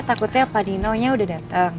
takutnya paninonya udah dateng